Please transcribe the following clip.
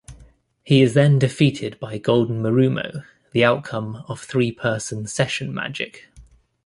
He is then defeated by Golden Mirumo, the outcome of three person session magic.